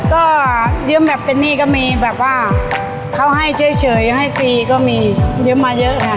ก็ยืมแบบเป็นหนี้ก็มีแบบว่าเขาให้เฉยให้ฟรีก็มียืมมาเยอะค่ะ